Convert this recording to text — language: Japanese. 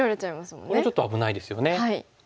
これちょっと危ないですよね。